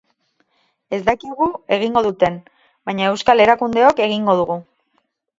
Ez dakigu egingo duten, baina euskal erakundeok egingo dugu.